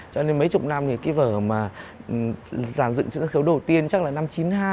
cho nên mấy chục năm thì cái vở mà giàn dựng sân khấu đầu tiên chắc là năm chín mươi hai